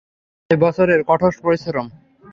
ছয় বছরের কঠোর পরিশ্রম!